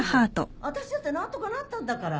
私だって何とかなったんだから。